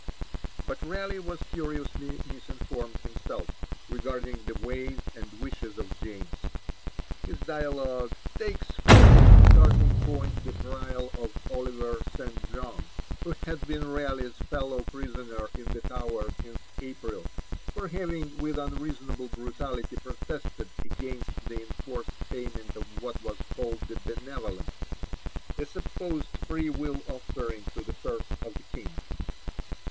But Raleigh was curiously misinformed himself regarding the ways and wishes of James. His dialogue takes for its starting point the trial of Oliver St. John, who had been Raleigh's fellow prisoner in the Tower since April for having with unreasonable brutality protested against the enforced payment of what was called the Benevolence, a supposed free will offering to the purse of the King.